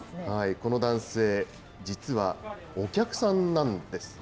この男性、実は、お客さんなんですね。